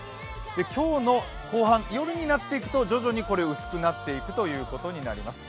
今日の後半、夜になっていくと徐々に薄くなっていくということになります。